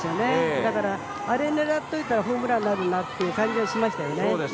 だから、あれを狙っておいたらホームランになるなという感じがしましたよね。